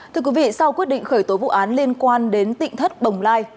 thưa quý vị sau quyết định khởi tố vụ án liên quan đến tịnh thất bồng lai